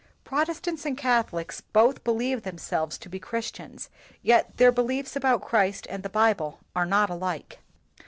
Protes tants and Catholics both believe themselves to be Christians, yet their beliefs about Christ and the Bible are not alike.